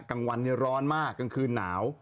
กลางวันร้อนมากกลางคืนหนาว